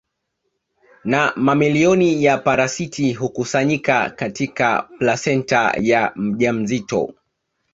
Na mamilioni ya parasiti hukusanyika katika plasenta ya mjamzito